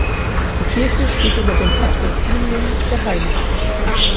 Die Kirche steht unter dem Patrozinium der Hl.